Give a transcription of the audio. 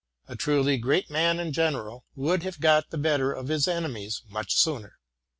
A truly great man and general would have oot the better of his enemies much sooner.